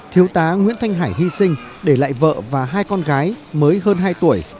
thiếu tá nguyễn thanh hải hy sinh để lại vợ và hai con gái mới hơn hai tuổi